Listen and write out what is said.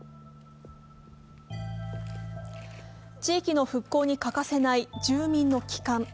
地域の復興に欠かせない住民の帰還。